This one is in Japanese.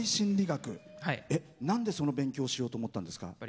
何でその勉強しようと思ったんですか？